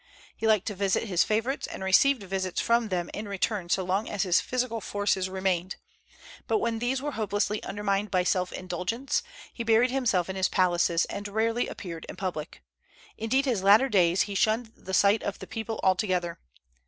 He liked to visit his favorites, and received visits from them in return so long as his physical forces remained; but when these were hopelessly undermined by self indulgence, he buried himself in his palaces, and rarely appeared in public. Indeed, in his latter days he shunned the sight of the people altogether.